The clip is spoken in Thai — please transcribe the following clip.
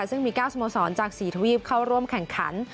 ซึ่งมี๙สโมสรจาก๔ทวีปเข้าร่วมแข่งขัน